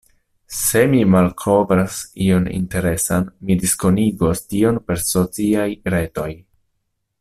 Se mi malkovras ion interesan, mi diskonigos tion per sociaj retoj.